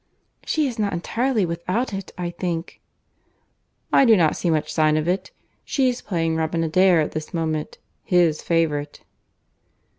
"She is not entirely without it, I think." "I do not see much sign of it. She is playing Robin Adair at this moment—his favourite."